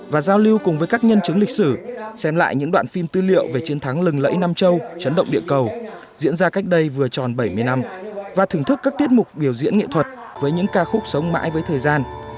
và giao lưu cùng với các nhân chứng lịch sử xem lại những đoạn phim tư liệu về chiến thắng lừng lẫy nam châu chấn động địa cầu diễn ra cách đây vừa tròn bảy mươi năm và thưởng thức các tiết mục biểu diễn nghệ thuật với những ca khúc sống mãi với thời gian